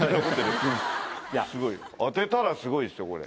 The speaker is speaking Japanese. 当てたらすごいですよこれ。